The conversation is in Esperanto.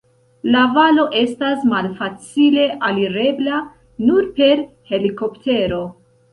La valo estas malfacile alirebla, nur per helikoptero.